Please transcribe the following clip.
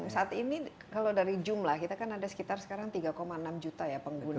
saat ini kalau dari jumlah kita kan ada sekitar sekarang tiga enam juta ya pengguna